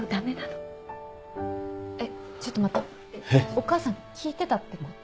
お母さん聞いてたってこと？